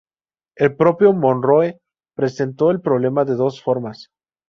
El propio Moore presentó el problema de dos formas.